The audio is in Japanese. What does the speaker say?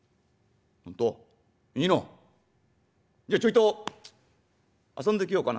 「本当？いいの？じゃちょいと遊んできようかな」。